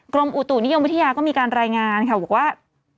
กรมอุตุนิยมวิทยาก็มีการรายงานค่ะบอกว่า